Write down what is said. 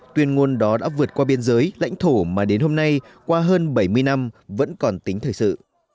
tuyên ngôn đó đã vượt qua biên giới lãnh thổ mà đến hôm nay qua hơn bảy mươi năm vẫn còn tính thời sự